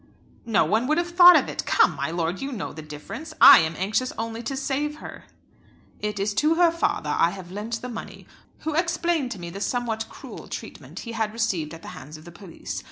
"No one would have thought of it. Come, my lord, you know the difference. I am anxious only to save her." "It is to her father I have lent the money, who explained to me the somewhat cruel treatment he had received at the hands of the police.